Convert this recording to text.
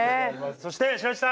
そして白石さん！